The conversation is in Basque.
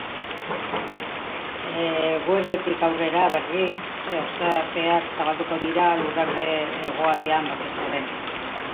Eguerditik aurrera, berriz, ostarteak zabalduko dira, lurralde hegoaldean batez ere.